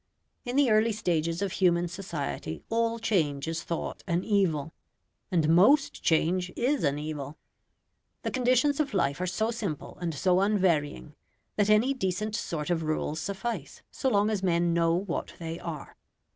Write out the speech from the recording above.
In the early stages of human society all change is thought an evil. And MOST change is an evil. The conditions of life are so simple and so unvarying that any decent sort of rules suffice so long as men know what they are.